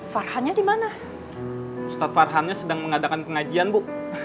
farkannya dimana ustadz farkannya sedang mengadakan pengajian bu